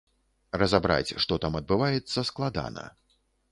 Разабраць, што там адбываецца, складана.